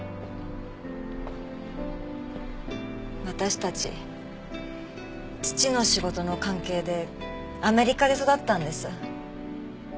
私たち父の仕事の関係でアメリカで育ったんです。